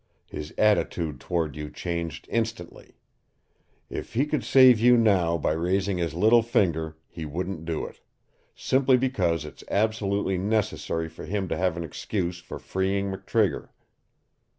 His attitude toward you changed instantly. If he could save you now by raising his little finger, he wouldn't do it, simply because it's absolutely necessary for him to have an excuse for freeing McTrigger.